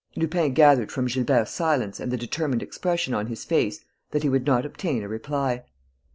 Lupin gathered from Gilbert's silence and the determined expression on his face that he would not obtain a reply.